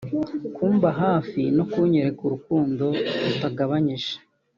Kumba hafi no kunyereka urukundo rutagabanyije